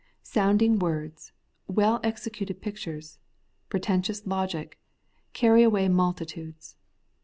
Sounding words, well executed pictures, pretentious logic, carry away multitudes.